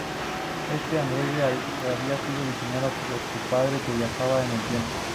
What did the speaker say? Este androide había sido diseñado por su padre que viajaba en el tiempo.